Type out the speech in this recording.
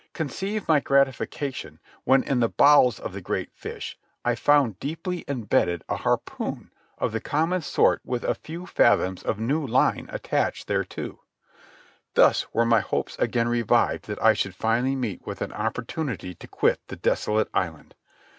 Conceive my gratification when in the bowels of the great fish I found deeply imbedded a harpoon of the common sort with a few fathoms of new line attached thereto. Thus were my hopes again revived that I should finally meet with an opportunity to quit the desolate island.